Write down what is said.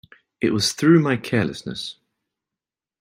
It was through my carelessness.